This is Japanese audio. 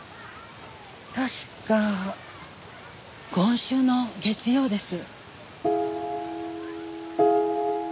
確か今週の月曜です。